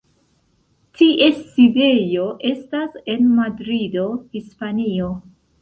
Ties sidejo estas en Madrido, Hispanio.